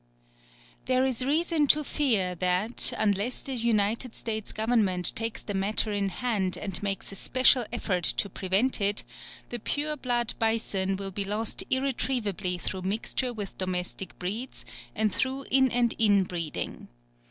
There is reason to fear that unless the United States Government takes the matter in hand and makes a special effort to prevent it, the pure blood bison will be lost irretrievably through mixture with domestic breeds and through in and in breeding.